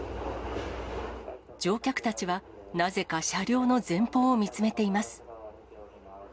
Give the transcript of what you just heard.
乗客たちは、なぜか車両の前方を見つめています。